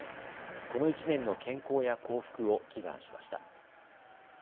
この１年の健康や幸福を祈願しました。